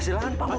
silahkan pak paul